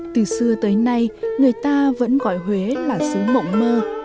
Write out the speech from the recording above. từ xưa tới nay người ta vẫn gọi huế là sứ mộng mơ